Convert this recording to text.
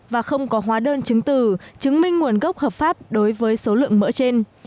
và không có hóa đơn chứng từ chứng minh nguồn gốc hợp pháp đối với số lượng mỡ trên